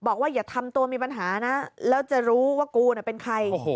บอกว่าอย่าทำตัวมีปัญหานะแล้วจะรู้ว่ากูน่ะเป็นใคร